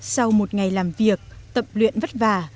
sau một ngày làm việc tập luyện vất vả